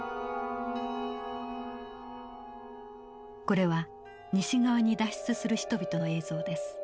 これは西側に脱出する人々の映像です。